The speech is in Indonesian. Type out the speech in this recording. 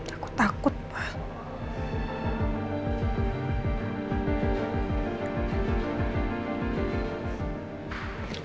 aku takut pak